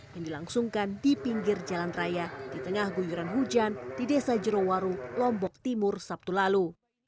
yang dilangsungkan di pinggir jalan raya di tengah guyuran hujan di desa jerowaru lombok timur sabtu lalu